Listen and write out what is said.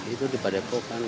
itu di padepok kan